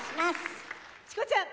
チコちゃん